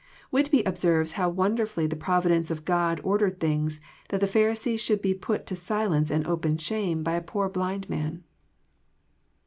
Whitby observes how wonderfully the providence of God or dered things, that the Pharisees should be put to silence and open shame by a poor blind man